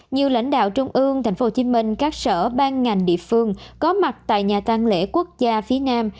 nhiều lãnh đạo trung ương tp hcm các sở ban ngành địa phương có mặt tại nhà tăng lễ quốc gia phía nam